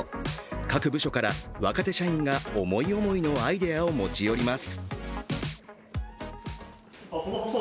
各部署から若手社員が思い思いのアイデアを持ち寄ります。